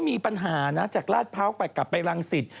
มีปัญหานะจากลาดพร้าวไปกลับไปรังสิต